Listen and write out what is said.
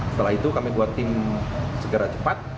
setelah itu kami buat tim segera cepat